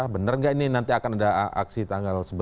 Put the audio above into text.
benar nggak ini nanti akan ada aksi tanggal sebelas